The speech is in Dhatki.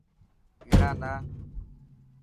هيڻا نه.